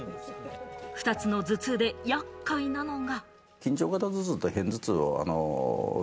２つの頭痛で厄介なのが。